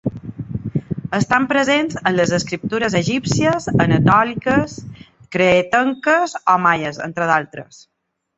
Estan presents en les escriptures egípcies, anatòliques, cretenques o maies, entre d'altres.